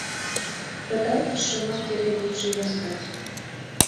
Пытартыш шомак эре лийже яндар.